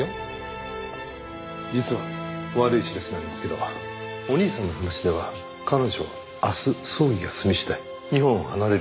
実は悪い知らせなんですけどお兄さんの話では彼女は明日葬儀が済み次第日本を離れるそうです。